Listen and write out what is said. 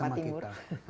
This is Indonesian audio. di eropa timur